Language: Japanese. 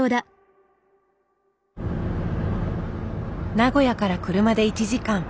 名古屋から車で１時間。